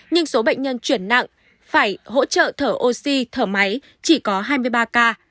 nhưng số bệnh nhân chuyển nặng phải hỗ trợ thở oxy thở máy chỉ có hai mươi ba ca